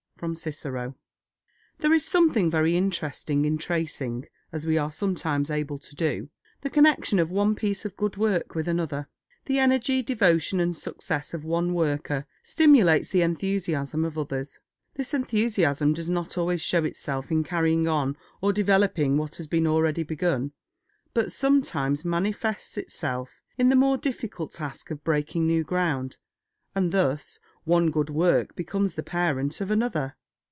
—From CICERO. THERE is something very interesting in tracing, as we are sometimes able to do, the connection of one piece of good work with another. The energy, devotion, and success of one worker stimulates the enthusiasm of others; this enthusiasm does not always show itself in carrying on or developing what has been already begun, but sometimes manifests itself in the more difficult task of breaking new ground; and thus one good work becomes the parent of another.